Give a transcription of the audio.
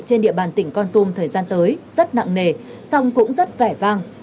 trên địa bàn tỉnh con tum thời gian tới rất nặng nề song cũng rất vẻ vang